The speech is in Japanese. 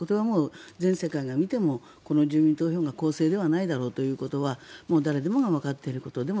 もう全世界が見てもこの住民投票が公正ではないだろうということはもう誰でもがわかっていること。